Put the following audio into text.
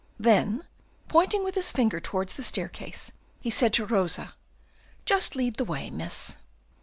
Then, pointing with his finger towards the staircase, he said to Rosa: "Just lead the way, Miss."